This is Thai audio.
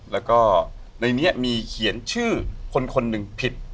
แล้วก็ในนี้มีเขียนชื่อคนหนึ่งผิด